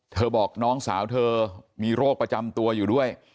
บอกน้องสาวเธอมีโรคประจำตัวอยู่ด้วย